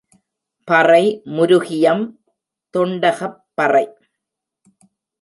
பறை, முருகியம், தொண்டகப்பறை.